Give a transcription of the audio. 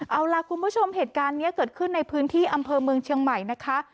เอาล่ะคุณผู้ชมเหตุการณ์นี้เกิดขึ้นในพื้นที่อำเภอเมืองเชียงใหม่นะคะ